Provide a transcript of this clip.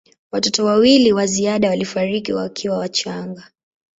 Watoto wawili wa ziada walifariki wakiwa wachanga.